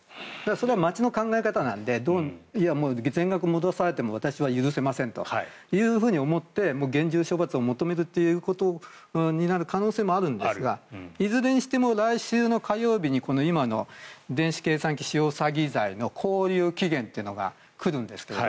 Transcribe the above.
それは町の考え方なのでいや、全額戻されても私は許せませんと思って厳重処罰を求めるということになる可能性もあるんですがいずれにしても来週の火曜日に今の電子計算機使用詐欺罪の勾留期限というのが来るんですけど。